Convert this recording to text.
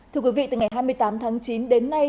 thưa quý vị từ ngày hai mươi tám tháng chín đến nay